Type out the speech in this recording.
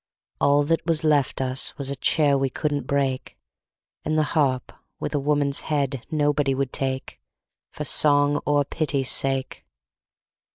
All that was left us Was a chair we couldn't break, And the harp with a woman's head Nobody would take, For song or pity's sake.